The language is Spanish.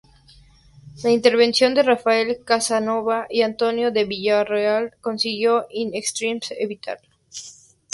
La intervención de Rafael Casanova y Antonio de Villarroel consiguió "in extremis" evitarlo.